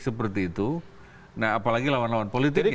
seperti itu nah apalagi lawan lawan politiknya